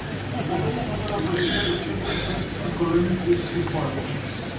Подолу може да прочитате четири песни од големиот ирски поет.